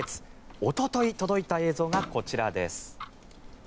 おととい届いた映像がこちらです。